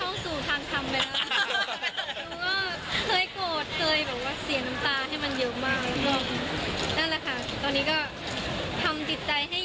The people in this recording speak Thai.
หนูเข้าสู่ทางทำไปแล้ว